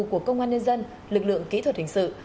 của công an nhân dân lực lượng kỹ thuật hình sự